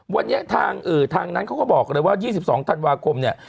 วันนี้ทางนั้นเขาก็บอกเลยว่า๒๒ธันวาคมเนี่ย